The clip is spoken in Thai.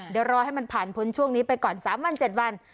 เดี๋ยวรอให้มันผ่านพ้นช่วงนี้ไปก่อน๓วัน๗วัน